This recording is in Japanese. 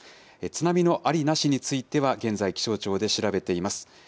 津波のありなしについては、現在、気象庁で調べています。